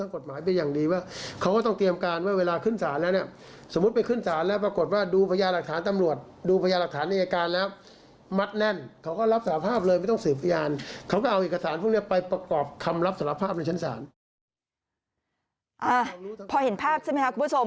พอเห็นภาพใช่ไหมครับคุณผู้ชม